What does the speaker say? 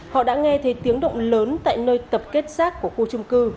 họ đã nghe thấy tiếng động lớn tại nơi tập kết rác của khu trung cư